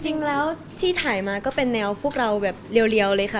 จริงแล้วที่ถ่ายมาก็เป็นแนวพวกเราแบบเรียวเลยค่ะ